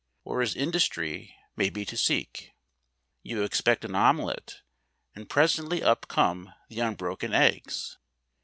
Or his industry may be to seek. You expect an omelette, and presently up come the unbroken eggs.